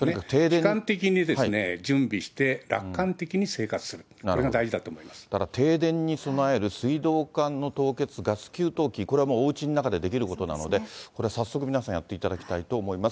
悲観的に準備して、楽観的に生活する、だから停電に備える、水道管の凍結、ガス給湯器、これはもうおうちの中でできることなので、これは早速皆さんやっていただきたいと思います。